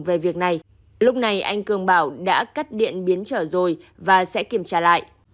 về việc này lúc này anh cường bảo đã cắt điện biến trở rồi và sẽ kiểm tra lại